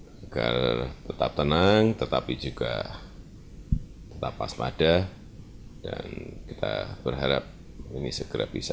agar tetap tenang tetapi juga tetap waspada dan kita berharap ini segera bisa